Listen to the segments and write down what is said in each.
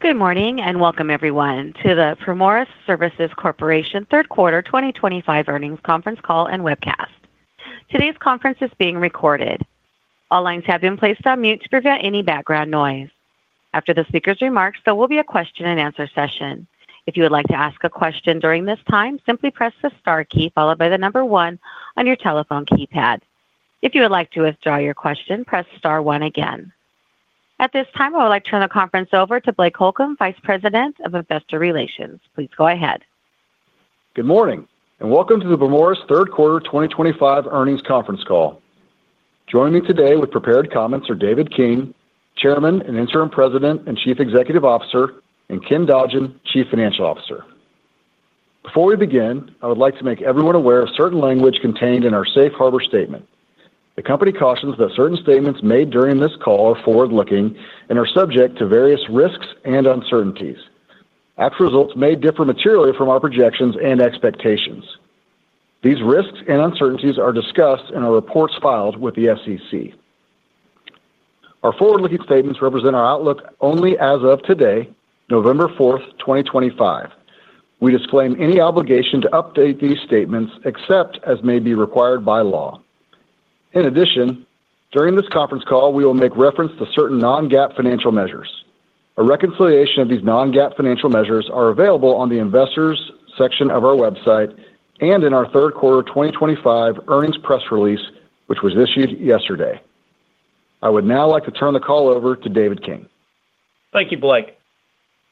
Good morning and welcome, everyone, to the Primoris Services Corporation Third Quarter 2025 Earnings Conference Call and Webcast. Today's conference is being recorded. All lines have been placed on mute to prevent any background noise. After the speaker's remarks, there will be a question-and-answer session. If you would like to ask a question during this time, simply press the star key followed by the number one on your telephone keypad. If you would like to withdraw your question, press star one again. At this time, I would like to turn the conference over to Blake Holcomb, Vice President of Investor Relations. Please go ahead. Good morning and welcome to the Primoris Third Quarter 2025 Earnings Conference call. Joining me today with prepared comments are David King, Chairman and Interim President and Chief Executive Officer, and Ken Dodgen, Chief Financial Officer. Before we begin, I would like to make everyone aware of certain language contained in our Safe Harbor Statement. The company cautions that certain statements made during this call are forward-looking and are subject to various risks and uncertainties. Actual results may differ materially from our projections and expectations. These risks and uncertainties are discussed in our reports filed with the SEC. Our forward-looking statements represent our outlook only as of today, November 4th, 2025. We disclaim any obligation to update these statements except as may be required by law. In addition, during this conference call, we will make reference to certain non-GAAP financial measures. A reconciliation of these non-GAAP financial measures is available on the Investors section of our website and in our Third Quarter 2025 Earnings Press Release, which was issued yesterday. I would now like to turn the call over to David King. Thank you, Blake.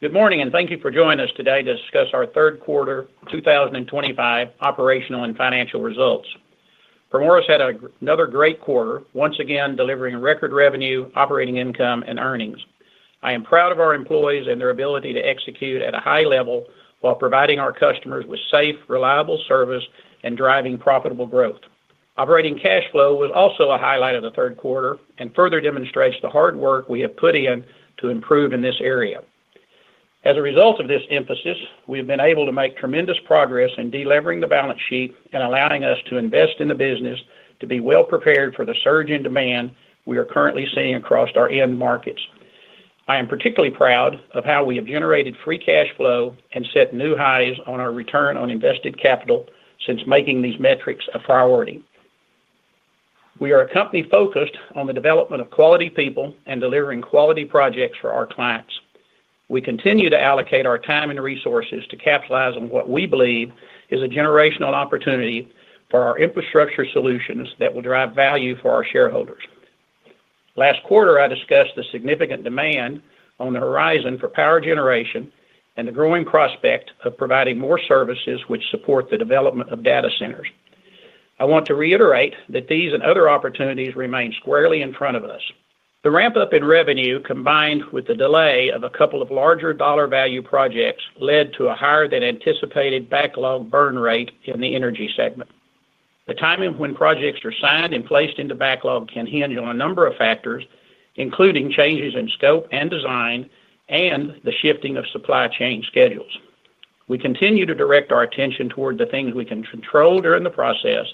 Good morning and thank you for joining us today to discuss our third quarter 2025 operational and financial results. Primoris had another great quarter, once again delivering record revenue, operating income, and earnings. I am proud of our employees and their ability to execute at a high level while providing our customers with safe, reliable service and driving profitable growth. Operating cash flow was also a highlight of the third quarter and further demonstrates the hard work we have put in to improve in this area. As a result of this emphasis, we have been able to make tremendous progress in delivering the balance sheet and allowing us to invest in the business to be well prepared for the surge in demand we are currently seeing across our end markets. I am particularly proud of how we have generated free cash flow and set new highs on our return on invested capital since making these metrics a priority. We are a company focused on the development of quality people and delivering quality projects for our clients. We continue to allocate our time and resources to capitalize on what we believe is a generational opportunity for our infrastructure solutions that will drive value for our shareholders. Last quarter, I discussed the significant demand on the horizon for power generation and the growing prospect of providing more services which support the development of data centers. I want to reiterate that these and other opportunities remain squarely in front of us. The ramp-up in revenue, combined with the delay of a couple of larger dollar value projects, led to a higher-than-anticipated backlog burn rate in the energy segment. The timing when projects are signed and placed into backlog can hinge on a number of factors, including changes in scope and design and the shifting of supply chain schedules. We continue to direct our attention toward the things we can control during the process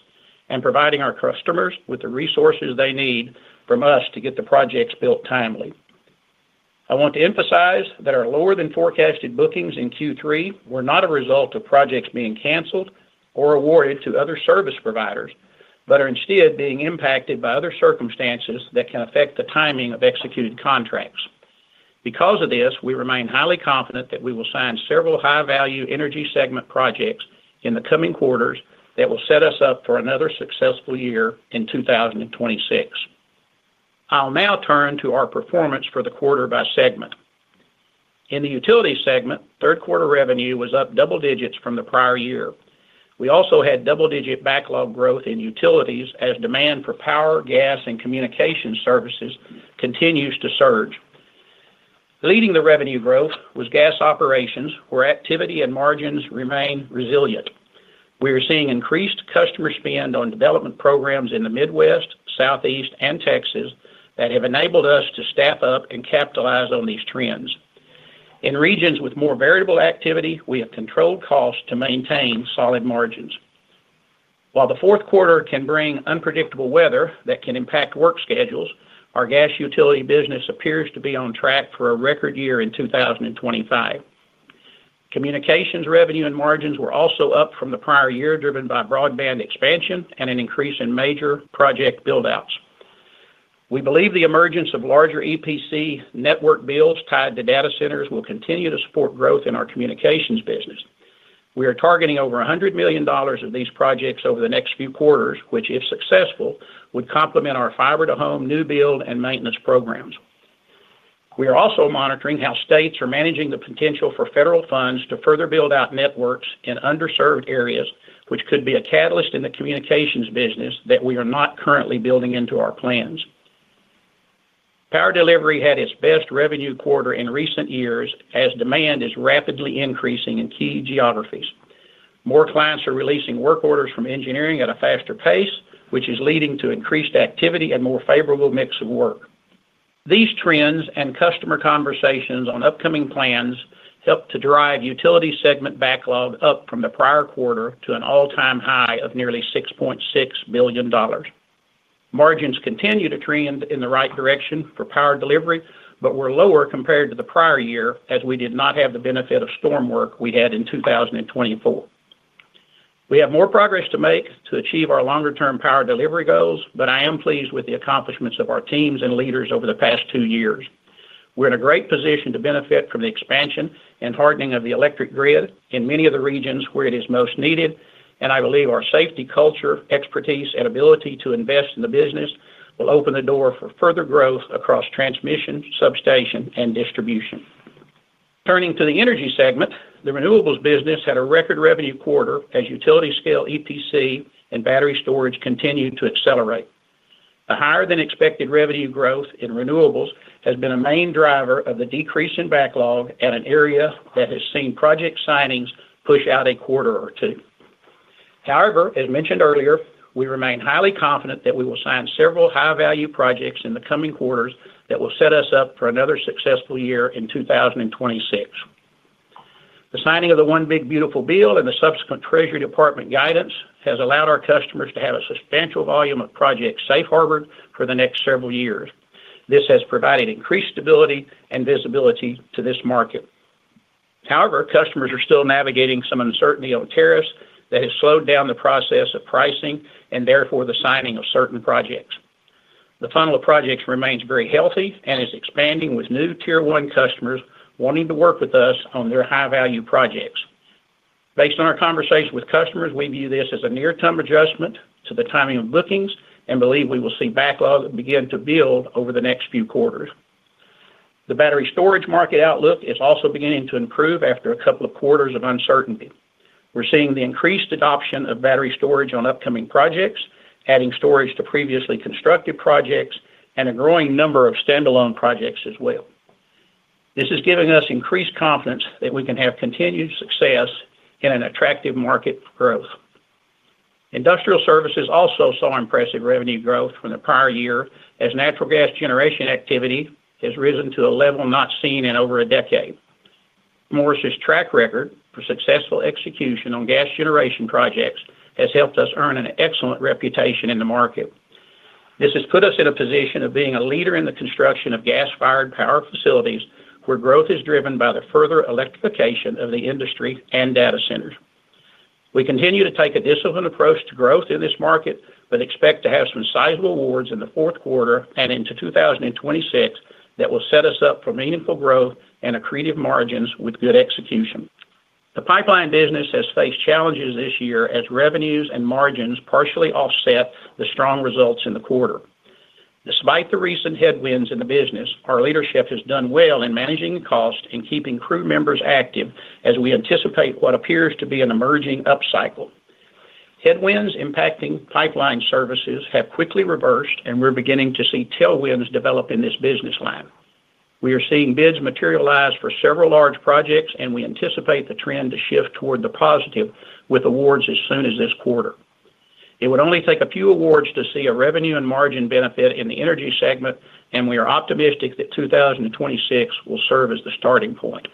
and providing our customers with the resources they need from us to get the projects built timely. I want to emphasize that our lower-than-forecasted bookings in Q3 were not a result of projects being canceled or awarded to other service providers, but are instead being impacted by other circumstances that can affect the timing of executed contracts. Because of this, we remain highly confident that we will sign several high-value energy segment projects in the coming quarters that will set us up for another successful year in 2026. I'll now turn to our performance for the quarter by segment. In the utilities segment, third quarter revenue was up double digits from the prior year. We also had double-digit backlog growth in utilities as demand for power, gas, and communication services continues to surge. Leading the revenue growth was gas operations, where activity and margins remain resilient. We are seeing increased customer spend on development programs in the Midwest, Southeast, and Texas that have enabled us to staff up and capitalize on these trends. In regions with more variable activity, we have controlled costs to maintain solid margins. While the fourth quarter can bring unpredictable weather that can impact work schedules, our gas utility business appears to be on track for a record year in 2025. Communications revenue and margins were also up from the prior year, driven by broadband expansion and an increase in major project buildouts. We believe the emergence of larger EPC network builds tied to data centers will continue to support growth in our communications business. We are targeting over $100 million of these projects over the next few quarters, which, if successful, would complement our fiber-to-home, new build, and maintenance programs. We are also monitoring how states are managing the potential for federal funds to further build out networks in underserved areas, which could be a catalyst in the communications business that we are not currently building into our plans. Power delivery had its best revenue quarter in recent years as demand is rapidly increasing in key geographies. More clients are releasing work orders from engineering at a faster pace, which is leading to increased activity and a more favorable mix of work. These trends and customer conversations on upcoming plans helped to drive utility segment backlog up from the prior quarter to an all-time high of nearly $6.6 billion. Margins continue to trend in the right direction for power delivery, but were lower compared to the prior year as we did not have the benefit of storm work we had in 2024. We have more progress to make to achieve our longer-term power delivery goals, but I am pleased with the accomplishments of our teams and leaders over the past two years. We're in a great position to benefit from the expansion and hardening of the electric grid in many of the regions where it is most needed, and I believe our safety culture, expertise, and ability to invest in the business will open the door for further growth across transmission, substation, and distribution. Turning to the energy segment, the renewables business had a record revenue quarter as utility-scale EPC and battery storage continued to accelerate. A higher-than-expected revenue growth in renewables has been a main driver of the decrease in backlog at an area that has seen project signings push out a quarter or two. However, as mentioned earlier, we remain highly confident that we will sign several high-value projects in the coming quarters that will set us up for another successful year in 2026. The signing of the One Big Beautiful Bill and the subsequent Treasury Department guidance has allowed our customers to have a substantial volume of projects safe-harbored for the next several years. This has provided increased stability and visibility to this market. However, customers are still navigating some uncertainty on tariffs that has slowed down the process of pricing and therefore the signing of certain projects. The funnel of projects remains very healthy and is expanding with new Tier One customers wanting to work with us on their high-value projects. Based on our conversation with customers, we view this as a near-term adjustment to the timing of bookings and believe we will see backlog begin to build over the next few quarters. The battery storage market outlook is also beginning to improve after a couple of quarters of uncertainty. We're seeing the increased adoption of battery storage on upcoming projects, adding storage to previously constructed projects, and a growing number of standalone projects as well. This is giving us increased confidence that we can have continued success in an attractive market for growth. Industrial services also saw impressive revenue growth from the prior year as natural gas generation activity has risen to a level not seen in over a decade. Primoris's track record for successful execution on gas generation projects has helped us earn an excellent reputation in the market. This has put us in a position of being a leader in the construction of gas-fired power facilities where growth is driven by the further electrification of the industry and data centers. We continue to take a disciplined approach to growth in this market, but expect to have some sizable awards in the fourth quarter and into 2026 that will set us up for meaningful growth and accretive margins with good execution. The pipeline business has faced challenges this year as revenues and margins partially offset the strong results in the quarter. Despite the recent headwinds in the business, our leadership has done well in managing the cost and keeping crew members active as we anticipate what appears to be an emerging upcycle. Headwinds impacting pipeline services have quickly reversed, and we're beginning to see tailwinds develop in this business line. We are seeing bids materialize for several large projects, and we anticipate the trend to shift toward the positive with awards as soon as this quarter. It would only take a few awards to see a revenue and margin benefit in the energy segment, and we are optimistic that 2026 will serve as the starting point.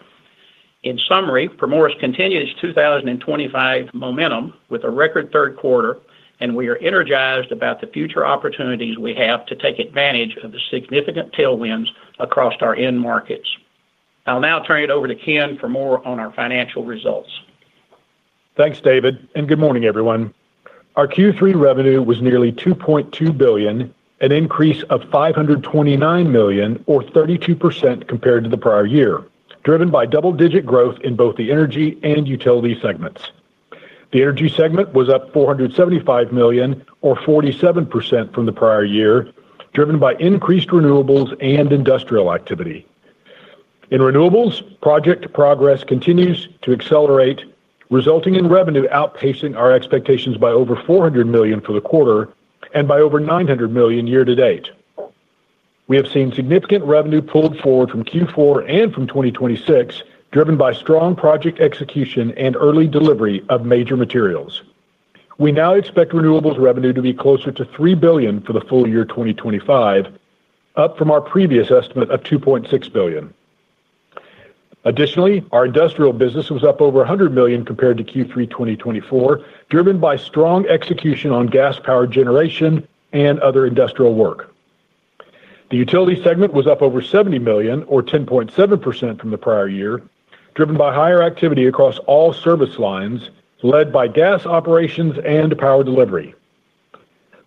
In summary, Primoris continues 2025 momentum with a record third quarter, and we are energized about the future opportunities we have to take advantage of the significant tailwinds across our end markets. I'll now turn it over to Ken for more on our financial results. Thanks, David, and good morning, everyone. Our Q3 revenue was nearly $2.2 billion, an increase of $529 million, or 32% compared to the prior year, driven by double-digit growth in both the energy and utility segments. The energy segment was up $475 million, or 47% from the prior year, driven by increased renewables and industrial activity. In renewables, project progress continues to accelerate, resulting in revenue outpacing our expectations by over $400 million for the quarter and by over $900 million year to date. We have seen significant revenue pulled forward from Q4 and from 2026, driven by strong project execution and early delivery of major materials. We now expect renewables revenue to be closer to $3 billion for the full year 2025, up from our previous estimate of $2.6 billion. Additionally, our industrial business was up over $100 million compared to Q3 2024, driven by strong execution on gas-powered generation and other industrial work. The utility segment was up over $70 million, or 10.7% from the prior year, driven by higher activity across all service lines led by gas operations and power delivery.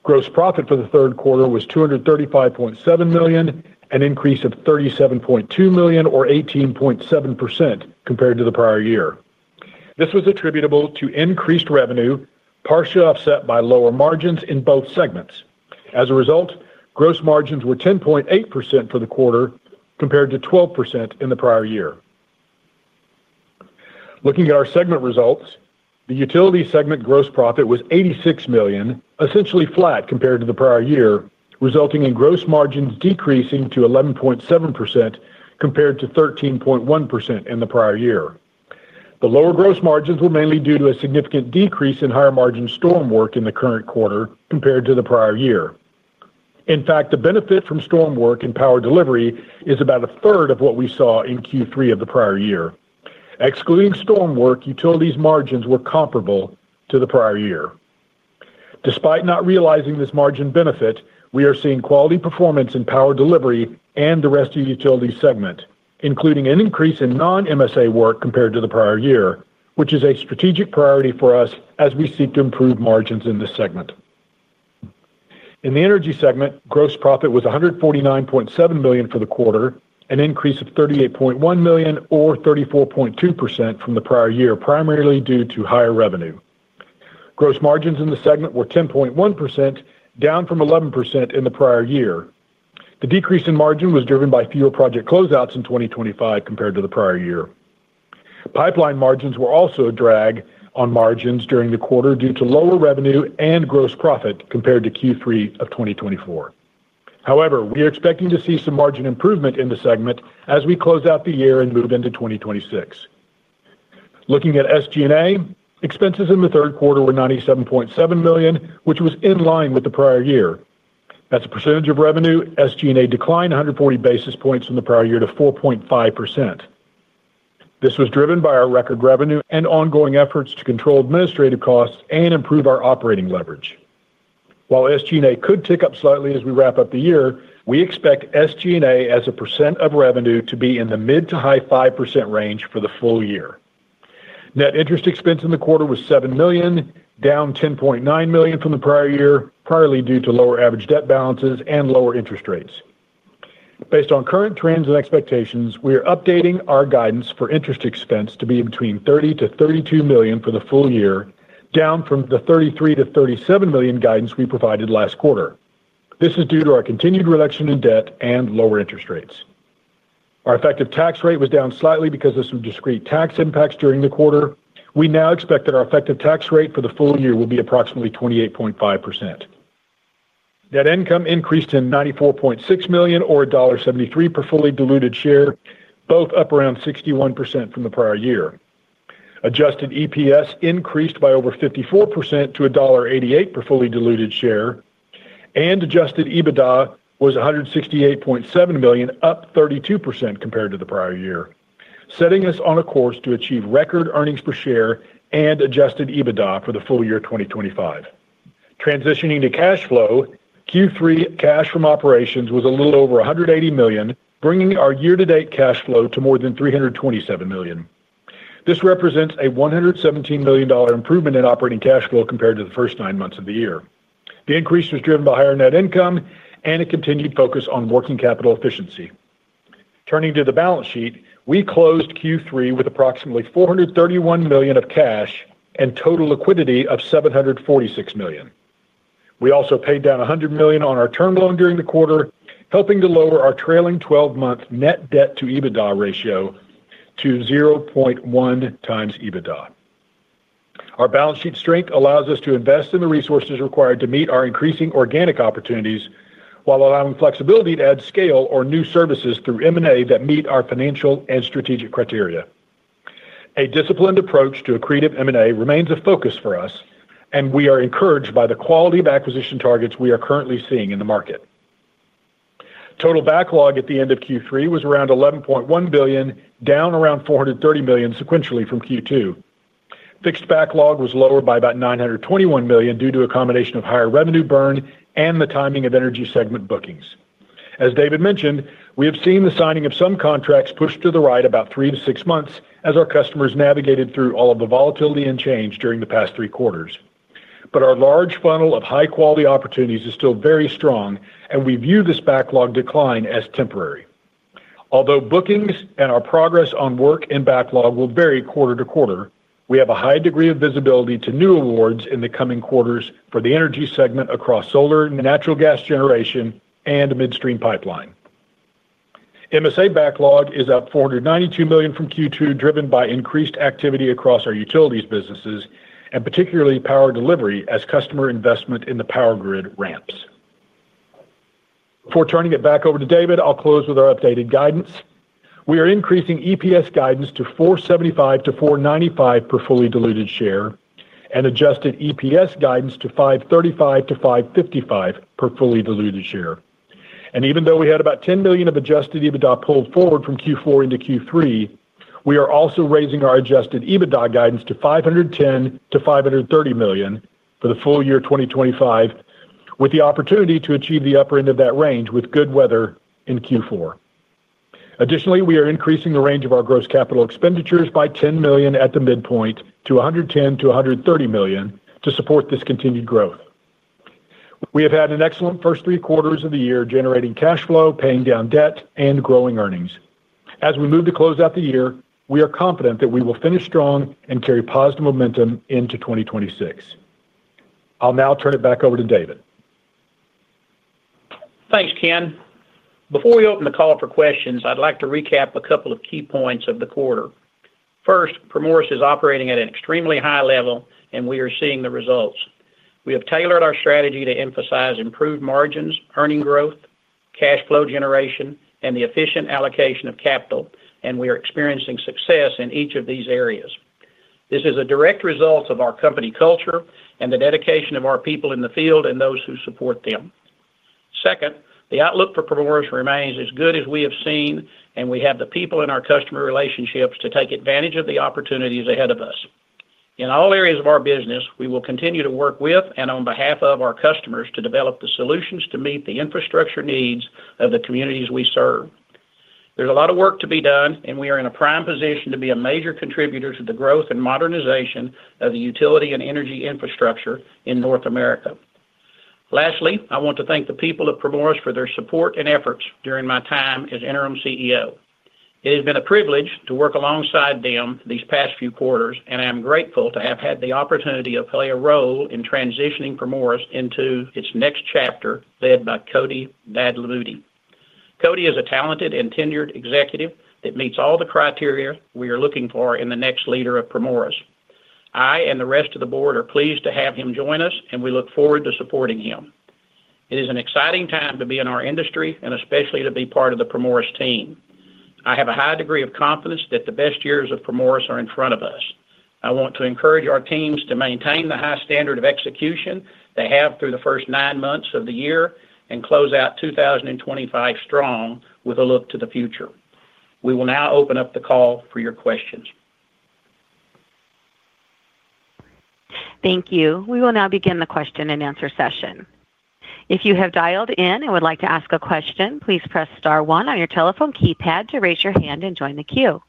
Gross profit for the third quarter was $235.7 million, an increase of $37.2 million, or 18.7% compared to the prior year. This was attributable to increased revenue, partially offset by lower margins in both segments. As a result, gross margins were 10.8% for the quarter compared to 12% in the prior year. Looking at our segment results, the utility segment gross profit was $86 million, essentially flat compared to the prior year, resulting in gross margins decreasing to 11.7% compared to 13.1% in the prior year. The lower gross margins were mainly due to a significant decrease in higher-margin storm work in the current quarter compared to the prior year. In fact, the benefit from storm work and power delivery is about a third of what we saw in Q3 of the prior year. Excluding storm work, utilities' margins were comparable to the prior year. Despite not realizing this margin benefit, we are seeing quality performance in power delivery and the rest of the utility segment, including an increase in non-MSA work compared to the prior year, which is a strategic priority for us as we seek to improve margins in this segment. In the energy segment, gross profit was $149.7 million for the quarter, an increase of $38.1 million, or 34.2% from the prior year, primarily due to higher revenue. Gross margins in the segment were 10.1%, down from 11% in the prior year. The decrease in margin was driven by fewer project closeouts in 2025 compared to the prior year. Pipeline margins were also a drag on margins during the quarter due to lower revenue and gross profit compared to Q3 of 2024. However, we are expecting to see some margin improvement in the segment as we close out the year and move into 2026. Looking at SG&A, expenses in the third quarter were $97.7 million, which was in line with the prior year. As a percentage of revenue, SG&A declined 140 basis points from the prior year to 4.5%. This was driven by our record revenue and ongoing efforts to control administrative costs and improve our operating leverage. While SG&A could tick up slightly as we wrap up the year, we expect SG&A as a percent of revenue to be in the mid- to high-5% range for the full year. Net interest expense in the quarter was $7 million, down $10.9 million from the prior year, primarily due to lower average debt balances and lower interest rates. Based on current trends and expectations, we are updating our guidance for interest expense to be between $30-$32 million for the full year, down from the $33-$37 million guidance we provided last quarter. This is due to our continued reduction in debt and lower interest rates. Our effective tax rate was down slightly because of some discrete tax impacts during the quarter. We now expect that our effective tax rate for the full year will be approximately 28.5%. Net income increased to $94.6 million, or $1.73 per fully diluted share, both up around 61% from the prior year. Adjusted EPS increased by over 54% to $1.88 per fully diluted share, and adjusted EBITDA was $168.7 million, up 32% compared to the prior year, setting us on a course to achieve record earnings per share and adjusted EBITDA for the full year 2025. Transitioning to cash flow, Q3 cash from operations was a little over $180 million, bringing our year-to-date cash flow to more than $327 million. This represents a $117 million improvement in operating cash flow compared to the first nine months of the year. The increase was driven by higher net income and a continued focus on working capital efficiency. Turning to the balance sheet, we closed Q3 with approximately $431 million of cash and total liquidity of $746 million. We also paid down $100 million on our term loan during the quarter, helping to lower our trailing 12-month net debt-to-EBITDA ratio to 0.1 times EBITDA. Our balance sheet strength allows us to invest in the resources required to meet our increasing organic opportunities while allowing flexibility to add scale or new services through M&A that meet our financial and strategic criteria. A disciplined approach to accretive M&A remains a focus for us, and we are encouraged by the quality of acquisition targets we are currently seeing in the market. Total backlog at the end of Q3 was around $11.1 billion, down around $430 million sequentially from Q2. Fixed backlog was lower by about $921 million due to a combination of higher revenue burn and the timing of energy segment bookings. As David mentioned, we have seen the signing of some contracts pushed to the right about three to six months as our customers navigated through all of the volatility and change during the past three quarters. But our large funnel of high-quality opportunities is still very strong, and we view this backlog decline as temporary. Although bookings and our progress on work and backlog will vary quarter to quarter, we have a high degree of visibility to new awards in the coming quarters for the energy segment across solar, natural gas generation, and midstream pipeline. MSA backlog is up $492 million from Q2, driven by increased activity across our utilities businesses and particularly power delivery as customer investment in the power grid ramps. Before turning it back over to David, I'll close with our updated guidance. We are increasing EPS guidance to $475-$495 per fully diluted share and adjusted EPS guidance to $535-$555 per fully diluted share. And even though we had about $10 million of Adjusted EBITDA pulled forward from Q4 into Q3, we are also raising our Adjusted EBITDA guidance to $510-$530 million for the full year 2025, with the opportunity to achieve the upper end of that range with good weather in Q4. Additionally, we are increasing the range of our gross capital expenditures by $10 million at the midpoint to $110-$130 million to support this continued growth. We have had an excellent first three quarters of the year generating cash flow, paying down debt, and growing earnings. As we move to close out the year, we are confident that we will finish strong and carry positive momentum into 2026. I'll now turn it back over to David. Thanks, Ken. Before we open the call for questions, I'd like to recap a couple of key points of the quarter. First, Primoris is operating at an extremely high level, and we are seeing the results. We have tailored our strategy to emphasize improved margins, earnings growth, cash flow generation, and the efficient allocation of capital, and we are experiencing success in each of these areas. This is a direct result of our company culture and the dedication of our people in the field and those who support them. Second, the outlook for Primoris remains as good as we have seen, and we have the people in our customer relationships to take advantage of the opportunities ahead of us. In all areas of our business, we will continue to work with and on behalf of our customers to develop the solutions to meet the infrastructure needs of the communities we serve. There's a lot of work to be done, and we are in a prime position to be a major contributor to the growth and modernization of the utility and energy infrastructure in North America. Lastly, I want to thank the people at Primoris for their support and efforts during my time as Interim CEO. It has been a privilege to work alongside them these past few quarters, and I am grateful to have had the opportunity to play a role in transitioning Primoris into its next chapter led by Cody Daddaloudi. Cody is a talented and tenured executive that meets all the criteria we are looking for in the next leader of Primoris. I and the rest of the board are pleased to have him join us, and we look forward to supporting him. It is an exciting time to be in our industry and especially to be part of the Primoris team. I have a high degree of confidence that the best years of Primoris are in front of us. I want to encourage our teams to maintain the high standard of execution they have through the first nine months of the year and close out 2025 strong with a look to the future. We will now open up the call for your questions. Thank you. We will now begin the question and answer session. If you have dialed in and would like to ask a question, please press star one on your telephone keypad to raise your hand and join the queue.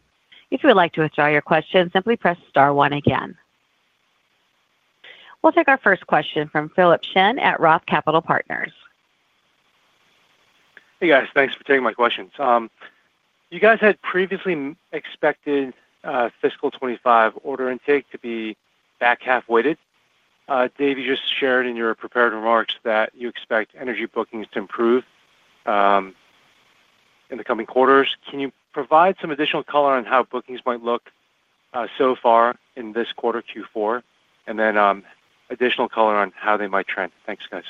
If you would like to withdraw your question, simply press star one again. We'll take our first question from Philip Shen at Roth Capital Partners. Hey, guys. Thanks for taking my questions. You guys had previously expected fiscal 2025 order intake to be back half-weighted. Dave, you just shared in your prepared remarks that you expect energy bookings to improve in the coming quarters. Can you provide some additional color on how bookings might look so far in this quarter, Q4, and then additional color on how they might trend? Thanks, guys.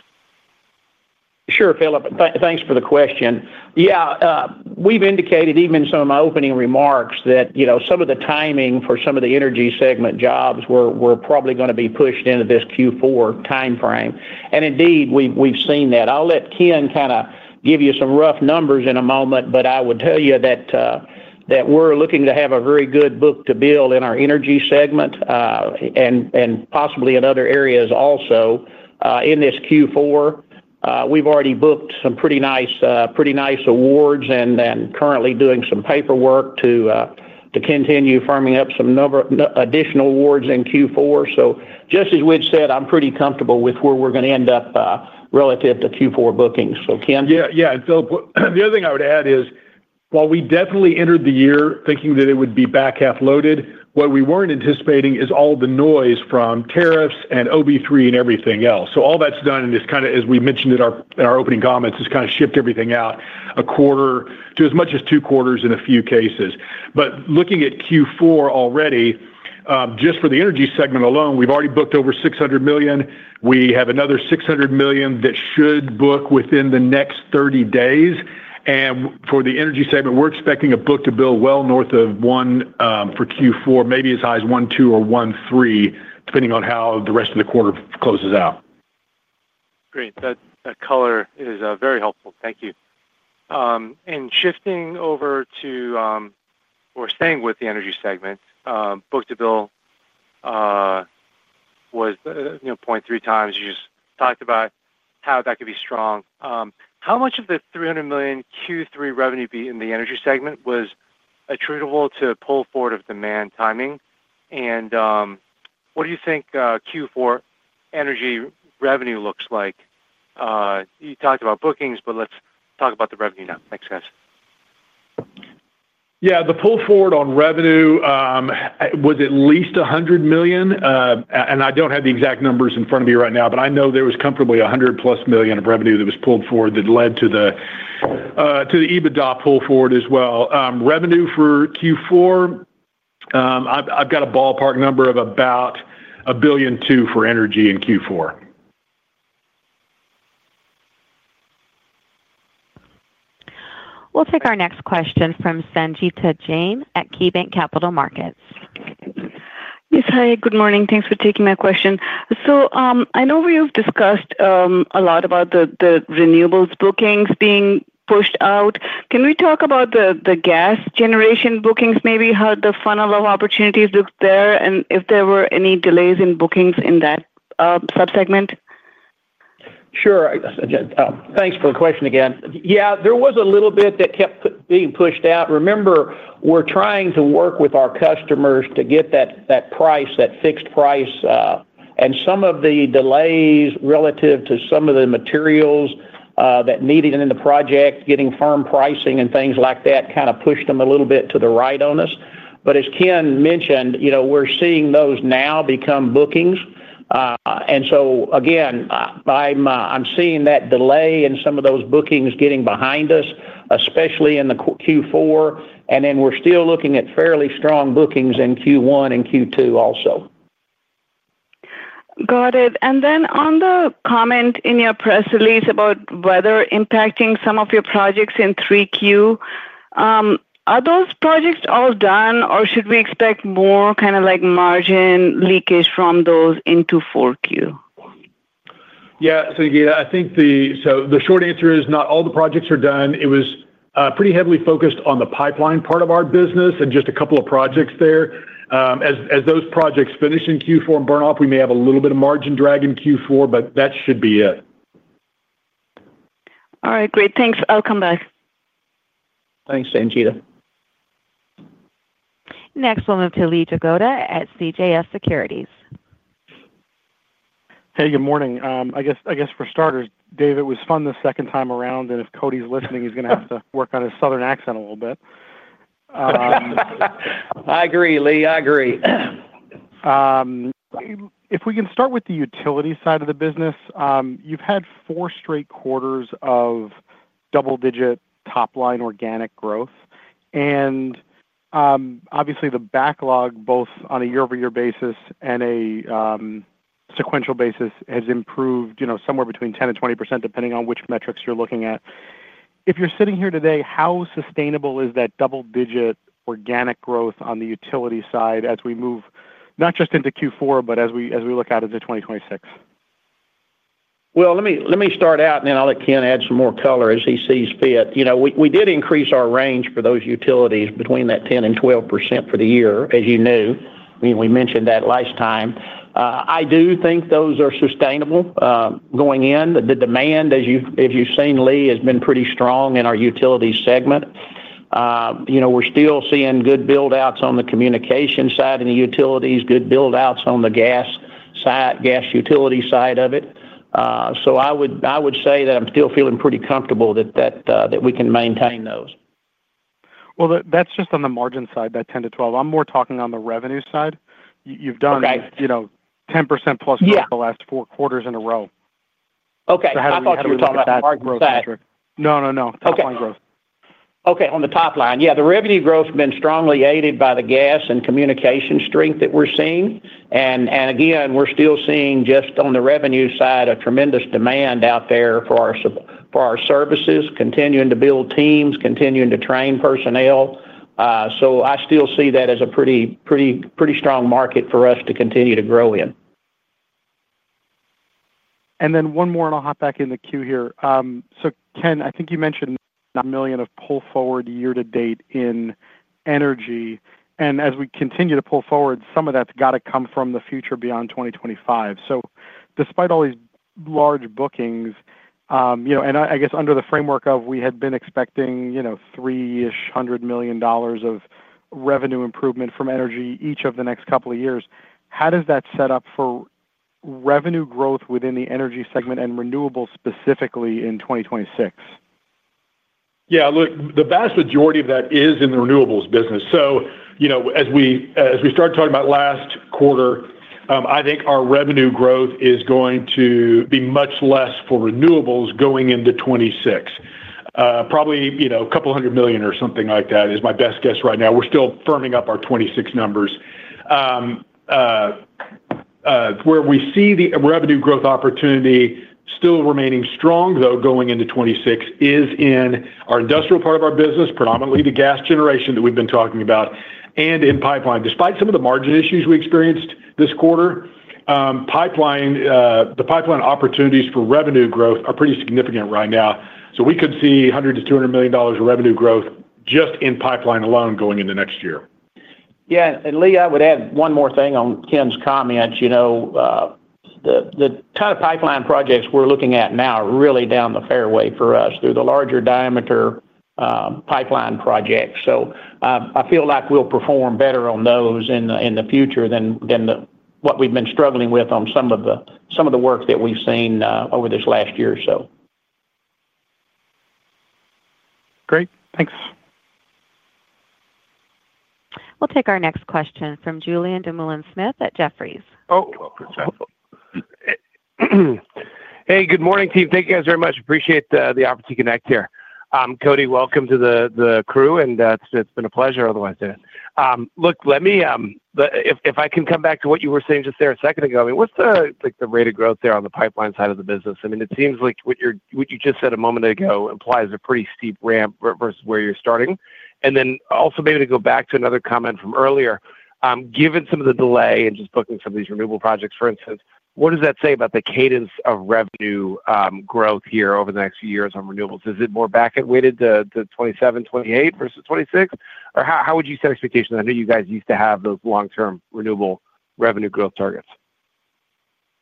Sure, Philip. Thanks for the question. Yeah, we've indicated even in some of my opening remarks that some of the timing for some of the energy segment jobs were probably going to be pushed into this Q4 timeframe, and indeed, we've seen that. I'll let Ken kind of give you some rough numbers in a moment, but I would tell you that we're looking to have a very good book-to-bill in our energy segment and possibly in other areas also in this Q4. We've already booked some pretty nice awards and currently doing some paperwork to continue firming up some additional awards in Q4. So just as we'd said, I'm pretty comfortable with where we're going to end up relative to Q4 bookings, so Ken? Yeah, yeah. And Philip, the other thing I would add is while we definitely entered the year thinking that it would be back half-loaded, what we weren't anticipating is all the noise from tariffs and OB3 and everything else. So all that's done is kind of, as we mentioned in our opening comments, has kind of shipped everything out a quarter to as much as two quarters in a few cases. But looking at Q4 already, just for the energy segment alone, we've already booked over $600 million. We have another $600 million that should book within the next 30 days. And for the energy segment, we're expecting a book-to-bill well north of one for Q4, maybe as high as 1.2 or 1.3, depending on how the rest of the quarter closes out. Great. That color is very helpful. Thank you. And shifting over to or staying with the energy segment, book-to-bill was 0.3 times. You just talked about how that could be strong. How much of the $300 million Q3 revenue in the energy segment was attributable to pull forward of demand timing? And what do you think Q4 energy revenue looks like? You talked about bookings, but let's talk about the revenue now. Thanks, guys. Yeah, the pull forward on revenue was at least $100 million. And I don't have the exact numbers in front of me right now, but I know there was comfortably a hundred-plus million of revenue that was pulled forward that led to the EBITDA pull forward as well. Revenue for Q4. I've got a ballpark number of about $1.2 billion for energy in Q4. We'll take our next question from Sanjita Jain at KeyBanc Capital Markets. Yes, hi. Good morning. Thanks for taking my question. So I know we've discussed a lot about the renewables bookings being pushed out. Can we talk about the gas generation bookings, maybe how the funnel of opportunities looks there and if there were any delays in bookings in that subsegment? Sure. Thanks for the question again. Yeah, there was a little bit that kept being pushed out. Remember, we're trying to work with our customers to get that price, that fixed price. And some of the delays relative to some of the materials that needed in the project, getting firm pricing and things like that kind of pushed them a little bit to the right on us. But as Ken mentioned, we're seeing those now become bookings. And so again, I'm seeing that delay in some of those bookings getting behind us, especially in Q4. And then we're still looking at fairly strong bookings in Q1 and Q2 also. Got it. And then on the comment in your press release about weather impacting some of your projects in 3Q. Are those projects all done, or should we expect more kind of like margin leakage from those into 4Q? Yeah, so I think the short answer is not all the projects are done. It was pretty heavily focused on the pipeline part of our business and just a couple of projects there. As those projects finish in Q4 and burn off, we may have a little bit of margin drag in Q4, but that should be it. All right. Great. Thanks. I'll come back. Thanks, Sanjita. Next, we'll move to Lee Dagoda at CJS Securities. Hey, good morning. I guess for starters, David, it was fun the second time around, and if Cody's listening, he's going to have to work on his southern accent a little bit. I agree, Lee. I agree. If we can start with the utility side of the business, you've had four straight quarters of double-digit top-line organic growth. And obviously, the backlog, both on a year-over-year basis and a sequential basis, has improved somewhere between 10% and 20%, depending on which metrics you're looking at. If you're sitting here today, how sustainable is that double-digit organic growth on the utility side as we move not just into Q4, but as we look out into 2026? Let me start out, and then I'll let Ken add some more color as he sees fit. We did increase our range for those utilities between that 10%-12% for the year, as you knew. I mean, we mentioned that last time. I do think those are sustainable going in. The demand, as you've seen, Lee, has been pretty strong in our utility segment. We're still seeing good buildouts on the communication side of the utilities, good buildouts on the gas side, gas utility side of it. So I would say that I'm still feeling pretty comfortable that we can maintain those. Well, that's just on the margin side, that 10%-12%. I'm more talking on the revenue side. You've done 10% plus over the last four quarters in a row. Okay. I thought you were talking about that growth metric. No, no, no. Top-line growth. Okay. On the top line, yeah, the revenue growth has been strongly aided by the gas and communications strength that we're seeing, and again, we're still seeing just on the revenue side a tremendous demand out there for our services, continuing to build teams, continuing to train personnel, so I still see that as a pretty strong market for us to continue to grow in. And then one more, and I'll hop back in the queue here. So Ken, I think you mentioned $1 million of pull forward year-to-date in energy. And as we continue to pull forward, some of that's got to come from the future beyond 2025. So despite all these large bookings, and I guess under the framework of what we had been expecting, three-ish hundred million dollars of revenue improvement from energy each of the next couple of years, how does that set up for revenue growth within the energy segment and renewables specifically in 2026? Yeah, look, the vast majority of that is in the renewables business. So as we started talking about last quarter, I think our revenue growth is going to be much less for renewables going into 2026. Probably a couple hundred million or something like that is my best guess right now. We're still firming up our 2026 numbers. Where we see the revenue growth opportunity still remaining strong, though, going into 2026 is in our industrial part of our business, predominantly the gas generation that we've been talking about, and in pipeline. Despite some of the margin issues we experienced this quarter. The pipeline opportunities for revenue growth are pretty significant right now. So we could see $100 million-$200 million of revenue growth just in pipeline alone going into next year. Yeah. And Lee, I would add one more thing on Ken's comment. The kind of pipeline projects we're looking at now are really down the fairway for us through the larger diameter pipeline projects. So I feel like we'll perform better on those in the future than what we've been struggling with on some of the work that we've seen over this last year or so. Great. Thanks. We'll take our next question from Julian Dumoulin-Smith at Jefferies. Hey, good morning, team. Thank you guys very much. Appreciate the opportunity to connect here. Cody, welcome to the crew, and it's been a pleasure otherwise too. Look. If I can come back to what you were saying just there a second ago, I mean, what's the rate of growth there on the pipeline side of the business? I mean, it seems like what you just said a moment ago implies a pretty steep ramp versus where you're starting. And then also maybe to go back to another comment from earlier, given some of the delay in just booking some of these renewable projects, for instance, what does that say about the cadence of revenue growth here over the next few years on renewables? Is it more back-weighted to 2027, 2028 versus 2026? Or how would you set expectations? I know you guys used to have those long-term renewable revenue growth targets.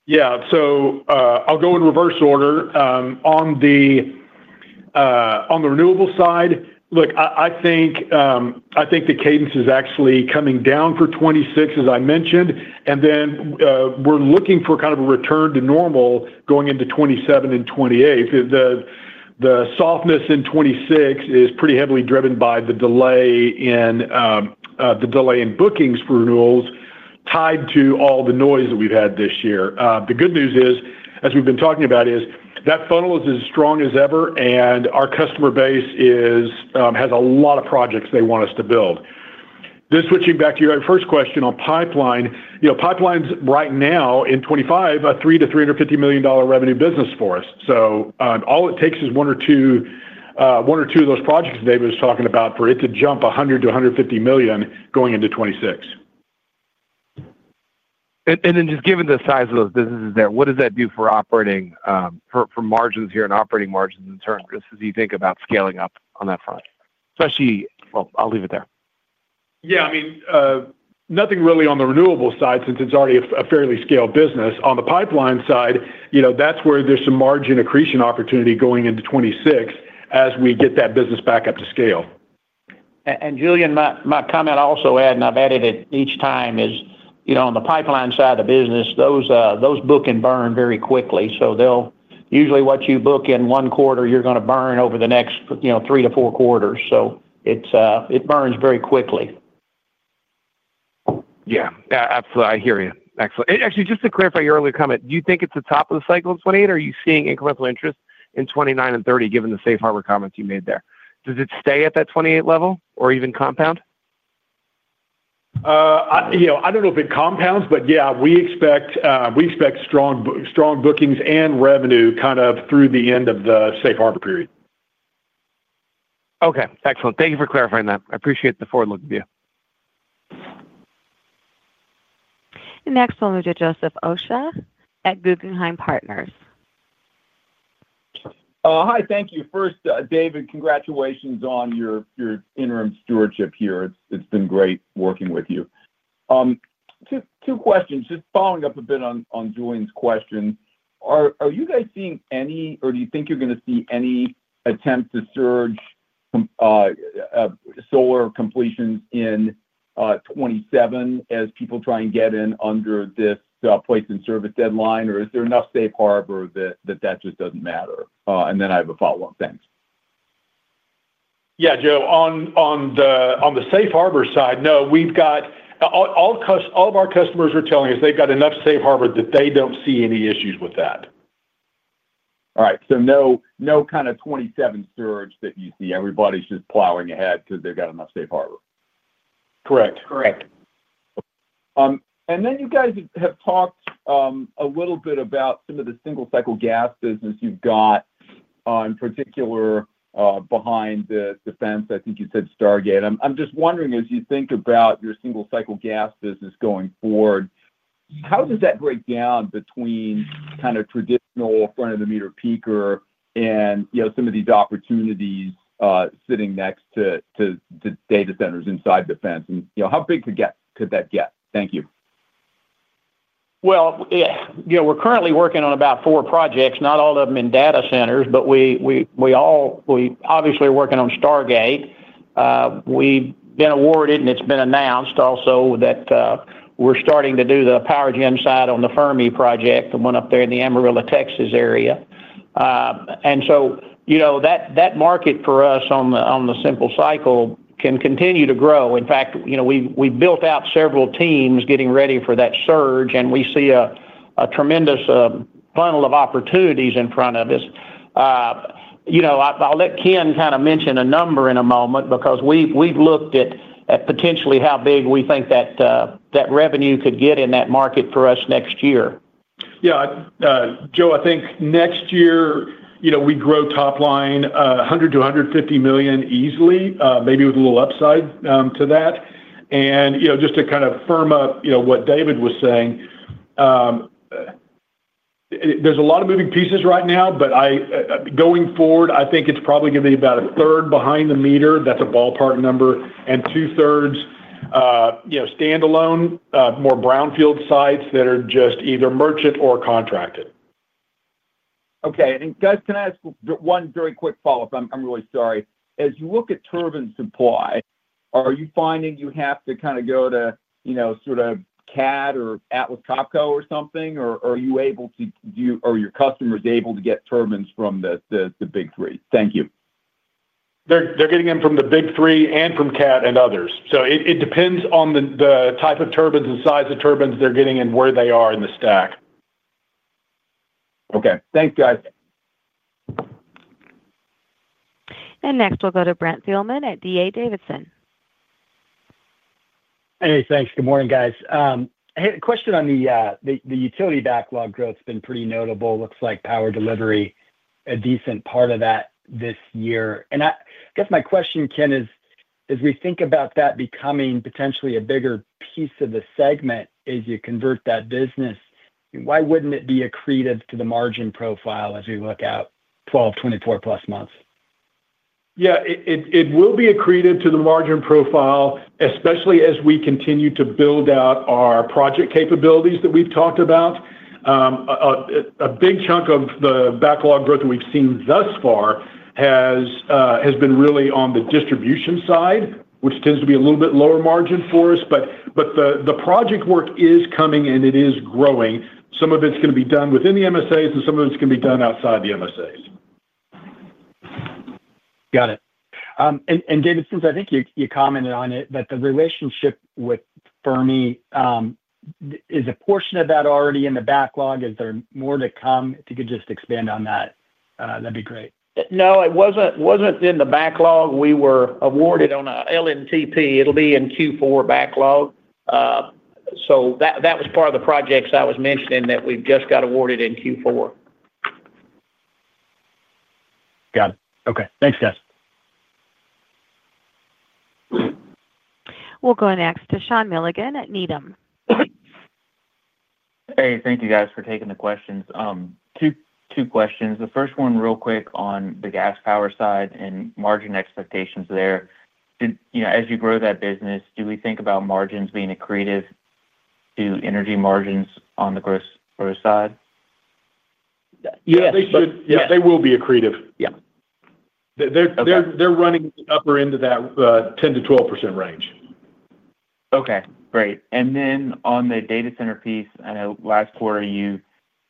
Yeah. So I'll go in reverse order. On the renewables side, look, I think the cadence is actually coming down for 2026, as I mentioned. And then we're looking for kind of a return to normal going into 2027 and 2028. The softness in 2026 is pretty heavily driven by the delay in bookings for renewables tied to all the noise that we've had this year. The good news is, as we've been talking about, is that funnel is as strong as ever, and our customer base has a lot of projects they want us to build. Then switching back to your first question on pipeline, pipelines right now in 2025, a $3 million-$350 million revenue business for us. So all it takes is one or two of those projects David was talking about for it to jump $100 million-$150 million going into 2026. And then just given the size of those businesses there, what does that do for margins here and operating margins in terms as you think about scaling up on that front? Especially, well, I'll leave it there. Yeah. I mean, nothing really on the renewable side since it's already a fairly scaled business. On the pipeline side, that's where there's some margin accretion opportunity going into 2026 as we get that business back up to scale. And Julian, my comment I'll also add, and I've added it each time, is on the pipeline side of the business, those book and burn very quickly. So usually what you book in one quarter, you're going to burn over the next three to four quarters. So it burns very quickly. Yeah. Absolutely. I hear you. Excellent. Actually, just to clarify your earlier comment, do you think it's the top of the cycle in 2028, or are you seeing incremental interest in 2029 and 2030 given the safe harbor comments you made there? Does it stay at that 2028 level or even compound? I don't know if it compounds, but yeah, we expect strong bookings and revenue kind of through the end of the safe harbor period. Okay. Excellent. Thank you for clarifying that. I appreciate the forward look from you. Next, we'll move to Joseph Osha at Guggenheim Partners. Hi. Thank you. First, David, congratulations on your interim stewardship here. It's been great working with you. Two questions. Just following up a bit on Julian's question, are you guys seeing any, or do you think you're going to see any attempt to surge solar completions in '27 as people try and get in under this place in service deadline, or is there enough safe harbor that that just doesn't matter? And then I have a follow-up. Thanks. Yeah, Joe. On the safe harbor side, no. All of our customers are telling us they've got enough safe harbor that they don't see any issues with that. All right. So no kind of 2027 surge that you see. Everybody's just plowing ahead because they've got enough safe harbor. Correct. Correct. And then you guys have talked a little bit about some of the single-cycle gas business you've got, in particular behind the fence. I think you said Stargate. I'm just wondering, as you think about your single-cycle gas business going forward, how does that break down between kind of traditional front-of-the-meter peaker and some of these opportunities sitting next to data centers inside the fence? And how big could that get? Thank you. Well, yeah, we're currently working on about four projects, not all of them in data centers, but we obviously are working on Stargate. We've been awarded, and it's been announced also that we're starting to do the PowerGen side on the Fermi project, the one up there in the Amarillo, Texas area. And so that market for us on the simple cycle can continue to grow. In fact, we've built out several teams getting ready for that surge, and we see a tremendous funnel of opportunities in front of us. I'll let Ken kind of mention a number in a moment because we've looked at potentially how big we think that revenue could get in that market for us next year. Yeah. Joe, I think next year we grow top line $100-$150 million easily, maybe with a little upside to that. And just to kind of firm up what David was saying. There's a lot of moving pieces right now, but going forward, I think it's probably going to be about a third behind the meter. That's a ballpark number. And two-thirds. Standalone, more brownfield sites that are just either merchant or contracted. Okay. And can I ask one very quick follow-up? I'm really sorry. As you look at turbine supply, are you finding you have to kind of go to sort of CAD or Atlas Copco or something, or are you able to, or are your customers able to get turbines from the big three? Thank you. They're getting them from the big three and from CAD and others. So it depends on the type of turbines and size of turbines they're getting and where they are in the stack. Okay. Thanks, guys. Next, we'll go to Brent Fieldman at DA Davidson. Hey, thanks. Good morning, guys. Hey, a question on the utility backlog growth has been pretty notable. Looks like power delivery is a decent part of that this year. And I guess my question, Ken, is as we think about that becoming potentially a bigger piece of the segment as you convert that business. Why wouldn't it be accretive to the margin profile as we look out 12, 24-plus months? Yeah. It will be accretive to the margin profile, especially as we continue to build out our project capabilities that we've talked about. A big chunk of the backlog growth that we've seen thus far has been really on the distribution side, which tends to be a little bit lower margin for us. But the project work is coming, and it is growing. Some of it's going to be done within the MSAs, and some of it's going to be done outside the MSAs. Got it. And DA Davidson, I think you commented on it, that the relationship with Fermi. Is a portion of that already in the backlog? Is there more to come? If you could just expand on that, that'd be great. No, it wasn't in the backlog. We were awarded on an LNTP. It'll be in Q4 backlog. So that was part of the projects I was mentioning that we've just got awarded in Q4. Got it. Okay. Thanks, guys. We'll go next to Sean Milligan at Needham. Hey, thank you, guys, for taking the questions. Two questions. The first one, real quick, on the gas power side and margin expectations there. As you grow that business, do we think about margins being accretive to energy margins on the growth side? Yeah, they should. Yeah, they will be accretive. They're running the upper end of that 10%-12% range. Okay. Great. And then on the data center piece, I know last quarter you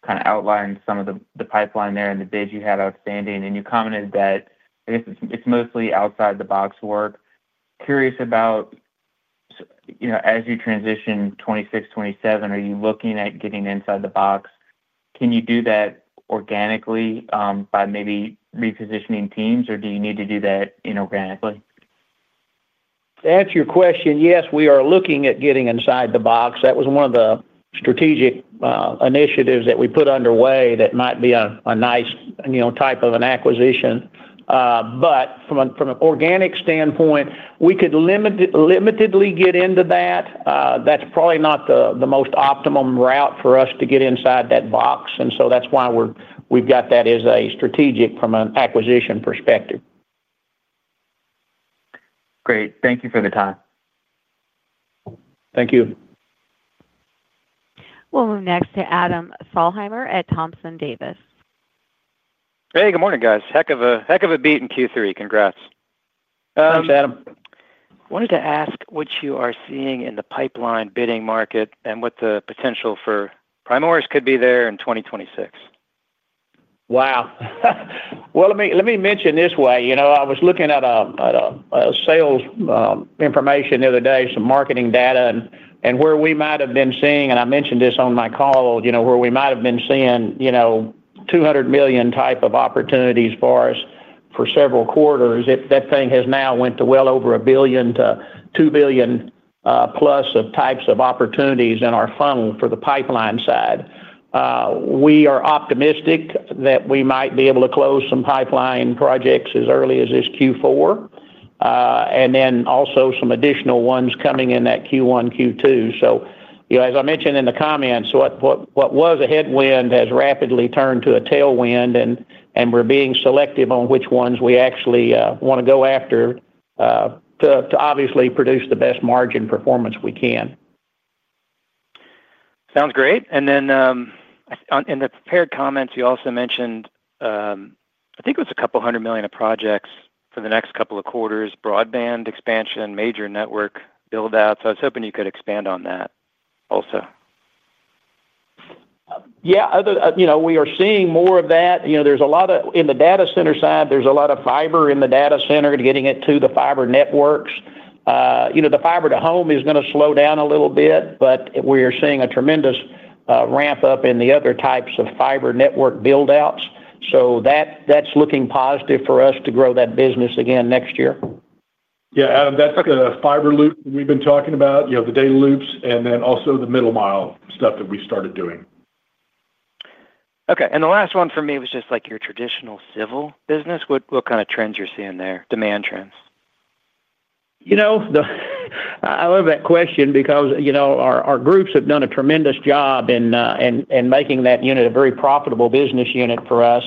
kind of outlined some of the pipeline there and the bids you had outstanding. And you commented that, I guess, it's mostly outside-the-box work. Curious about. As you transition 2026, 2027, are you looking at getting inside the box? Can you do that organically by maybe repositioning teams, or do you need to do that inorganically? To answer your question, yes, we are looking at getting inside the box. That was one of the strategic initiatives that we put underway that might be a nice type of an acquisition. But from an organic standpoint, we could limitedly get into that. That's probably not the most optimum route for us to get inside that box, and so that's why we've got that as a strategic from an acquisition perspective. Great. Thank you for the time. Thank you. We'll move next to Adam Solheimer at Thompson Davis. Hey, good morning, guys. Heck of a beat in Q3. Congrats. Thanks, Adam. Wanted to ask what you are seeing in the pipeline bidding market and what the potential for Primoris could be there in 2026? Wow. Well, let me mention this way. I was looking at sales information the other day, some marketing data, and where we might have been seeing—and I mentioned this on my call—$200 million type of opportunities for us for several quarters. That thing has now went to well over $1 billion-$2 billion plus of types of opportunities in our funnel for the pipeline side. We are optimistic that we might be able to close some pipeline projects as early as this Q4. And then also some additional ones coming in that Q1, Q2. So as I mentioned in the comments, what was a headwind has rapidly turned to a tailwind, and we're being selective on which ones we actually want to go after to obviously produce the best margin performance we can. Sounds great, and then in the prepared comments, you also mentioned I think it was a couple hundred million of projects for the next couple of quarters: broadband expansion, major network buildout, so I was hoping you could expand on that also. Yeah. We are seeing more of that. There's a lot of, in the data center side, there's a lot of fiber in the data center and getting it to the fiber networks. The fiber to home is going to slow down a little bit, but we are seeing a tremendous ramp-up in the other types of fiber network buildouts. So that's looking positive for us to grow that business again next year. Yeah, Adam, that's the fiber loop we've been talking about, the data loops, and then also the middle-mile stuff that we started doing. Okay. And the last one for me was just your traditional civil business. What kind of trends are you seeing there, demand trends? I love that question because our groups have done a tremendous job in making that unit a very profitable business unit for us.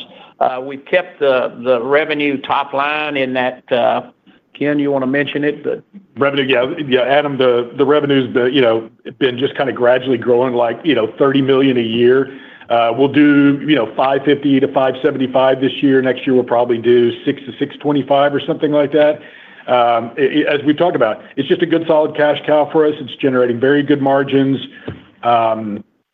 We've kept the revenue top line in that. Ken, you want to mention it? Yeah. Adam, the revenue's been just kind of gradually growing like $30 million a year. We'll do $550-$575 this year. Next year, we'll probably do $600-$625 or something like that. As we talked about, it's just a good solid cash cow for us. It's generating very good margins.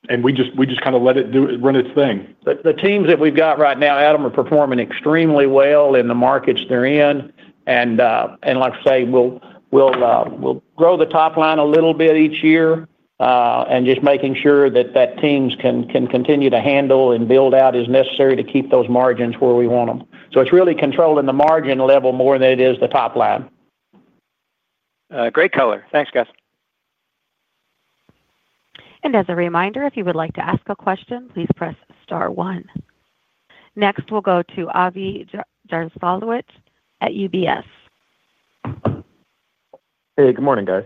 And we just kind of let it run its thing. The teams that we've got right now, Adam, are performing extremely well in the markets they're in, and like I say, we'll grow the top line a little bit each year and just making sure that that team can continue to handle and build out as necessary to keep those margins where we want them, so it's really controlling the margin level more than it is the top line. Great color. Thanks, guys. As a reminder, if you would like to ask a question, please press star one. Next, we'll go to Avi Jarzolowicz at UBS. Hey, good morning, guys.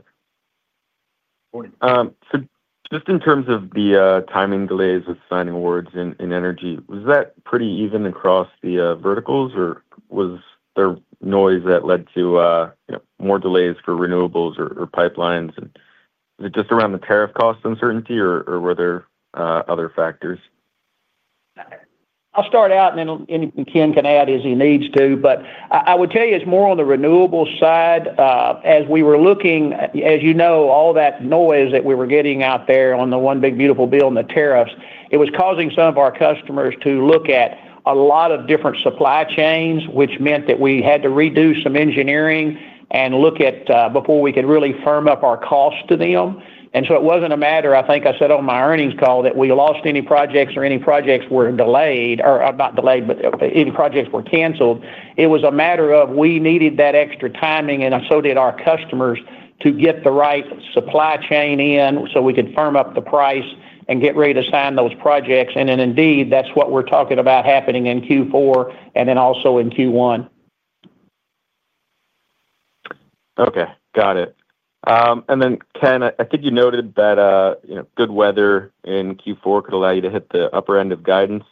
So just in terms of the timing delays with signing awards in energy, was that pretty even across the verticals, or was there noise that led to more delays for renewables or pipelines? And is it just around the tariff cost uncertainty, or were there other factors? I'll start out, and then Ken can add as he needs to. But I would tell you it's more on the renewables side. As we were looking, as you know, all that noise that we were getting out there on the One Big Beautiful Bill and the tariffs, it was causing some of our customers to look at a lot of different supply chains, which meant that we had to redo some engineering and look at before we could really firm up our cost to them. And so it wasn't a matter, I think I said on my earnings call, that we lost any projects or any projects were delayed or not delayed, but any projects were canceled. It was a matter of we needed that extra timing, and so did our customers, to get the right supply chain in so we could firm up the price and get ready to sign those projects. And indeed, that's what we're talking about happening in Q4 and then also in Q1. Okay. Got it. And then, Ken, I think you noted that good weather in Q4 could allow you to hit the upper end of guidance.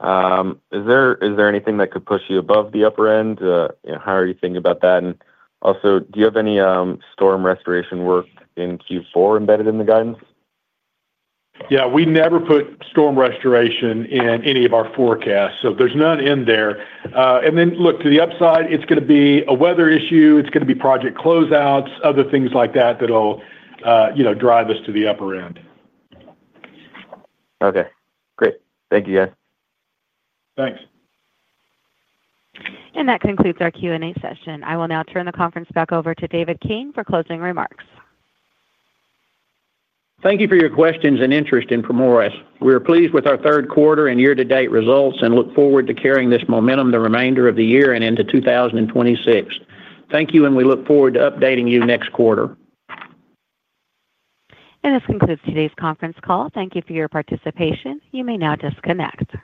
Is there anything that could push you above the upper end? How are you thinking about that? And also, do you have any storm restoration work in Q4 embedded in the guidance? Yeah. We never put storm restoration in any of our forecasts. So there's none in there. And then, look, to the upside, it's going to be a weather issue. It's going to be project closeouts, other things like that that'll drive us to the upper end. Okay. Great. Thank you, guys. Thanks. And that concludes our Q&A session. I will now turn the conference back over to David King for closing remarks. Thank you for your questions and interest in Primoris. We are pleased with our third quarter and year-to-date results and look forward to carrying this momentum the remainder of the year and into 2026. Thank you, and we look forward to updating you next quarter. This concludes today's conference call. Thank you for your participation. You may now disconnect.